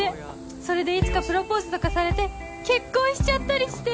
それでいつかプロポーズとかされて結婚しちゃったりして！